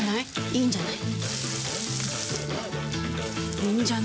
いいんじゃない？